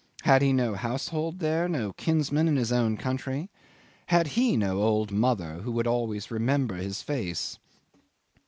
Had he no household there, no kinsmen in his own country? Had he no old mother, who would always remember his face?